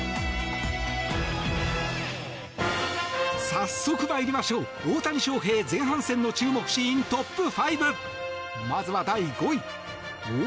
早速参りましょう大谷翔平、前半戦の注目シーントップ５。